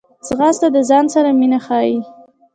ځغاسته د ځان سره مینه ښيي